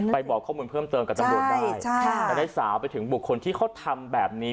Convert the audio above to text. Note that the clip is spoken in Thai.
บอกข้อมูลเพิ่มเติมกับตำรวจได้และได้สาวไปถึงบุคคลที่เขาทำแบบนี้